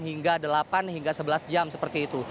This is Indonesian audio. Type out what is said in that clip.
hingga delapan hingga sebelas jam seperti itu